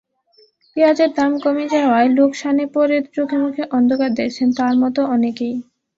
পেঁয়াজের দাম কমে যাওয়ায় লোকসানে পড়ে চোখেমুখে অন্ধকার দেখছেন তাঁর মতো অনেকেই।